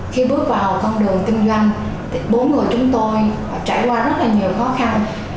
khi bước vào con đường tinh doanh bốn người chúng tôi trải qua rất là nhiều khó khăn